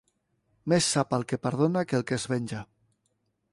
Més sap el que perdona que el que es venja.